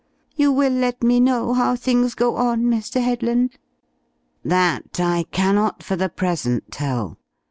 You will let me know how things go on, Mr. Headland?" "That I cannot for the present tell.